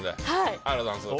ありがとうございます。